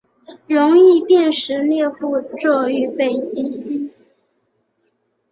容易辨识猎户座与北极星